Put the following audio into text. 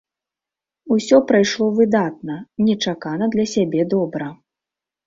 Усё прайшло выдатна, нечакана для сябе добра.